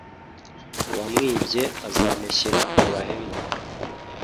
uwamwibye azamushyira mu bahemu.